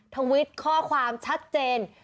ทวิตข้อความชัดเจน